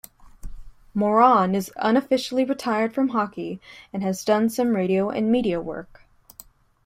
Moran is unofficially retired from hockey, and has done some radio and media work.